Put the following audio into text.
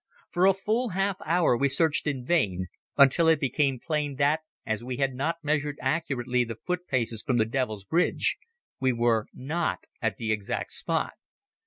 For a full half hour we searched in vain, until it became plain that, as we had not measured accurately the foot paces from the Devil's Bridge, we were not at the exact spot.